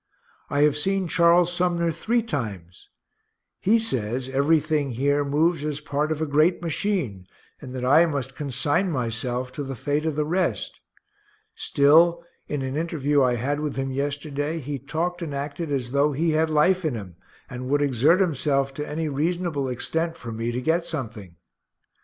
I have seen Charles Sumner three times he says ev'ry thing here moves as part of a great machine, and that I must consign myself to the fate of the rest still [in] an interview I had with him yesterday he talked and acted as though he had life in him, and would exert himself to any reasonable extent for me to get something.